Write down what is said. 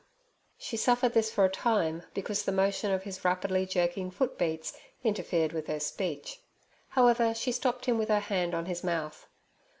"' She suffered this for a time, because the motion of his rapidly jerking foot beats interfered with her speech. However, she stopped him with her hand on his mouth.